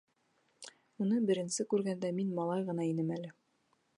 Уны беренсе күргәндә мин малай ғына инем әле.